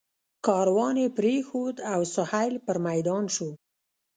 کاروان یې پرېښود او سهیل پر میدان شو.